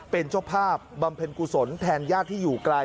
เป็นเจ้าภาพบำเพ็ญกุศลแทนญาติที่อยู่ไกล